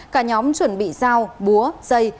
cả nhóm chuẩn bị giao búa dây